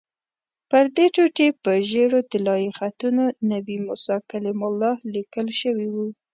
پردې ټوټې په ژېړو طلایي خطونو 'نبي موسی کلیم الله' لیکل شوي وو.